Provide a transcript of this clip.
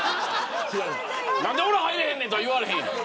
何で俺入れへんねんとは言われへん。